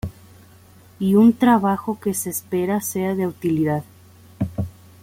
Y un trabajo que se espera sea de utilidad.